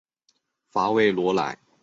法韦罗莱。